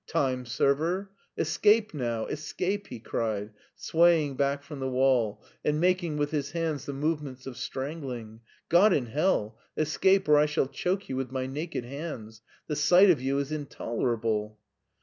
Time server ! Escape now, escape," he cried, swa)ring back from the wall and making with his hands the movements of strangling. " God in hell, escape or I shall choke you with my naked hands ; the sight of you is intolerable."